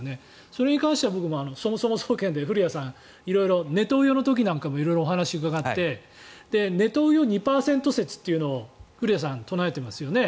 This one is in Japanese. それに関しては僕もそもそも総研で古谷さん色々ネトウヨの時なんかもお話を伺ってネトウヨ、２％説っていうのを古谷さん、唱えてますよね。